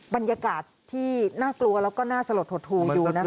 บรรยากาศที่น่ากลัวแล้วก็น่าสลดหดหูอยู่นะคะ